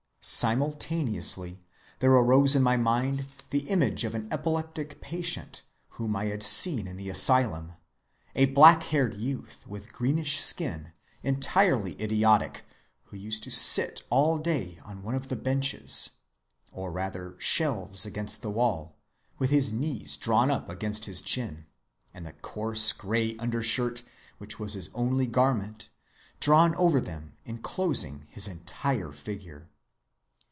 Simultaneously there arose in my mind the image of an epileptic patient whom I had seen in the asylum, a black‐haired youth with greenish skin, entirely idiotic, who used to sit all day on one of the benches, or rather shelves against the wall, with his knees drawn up against his chin, and the coarse gray undershirt, which was his only garment, drawn over them inclosing his entire figure.